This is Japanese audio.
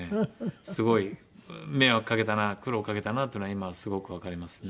すごい迷惑かけたな苦労かけたなっていうのは今はすごくわかりますね。